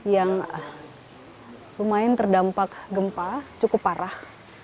yang lumayan terdampak gempa cukup parah